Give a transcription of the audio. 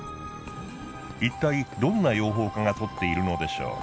いったいどんな養蜂家が採っているのでしょう？